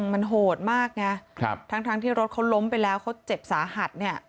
มันโหดมากไงทั้งที่รถเขาล้มไปแล้วเขาเจ็บสาหัสเนี่ย